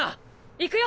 行くよ！